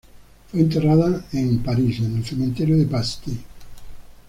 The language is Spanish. Fue enterrada en París, en el Cementerio de Passy.